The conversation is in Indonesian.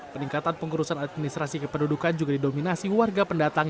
peningkatan pengurusan administrasi kependudukan juga didominasi warga pendatang